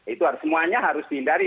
itu harus semuanya harus dihindari